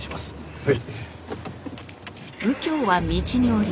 はい。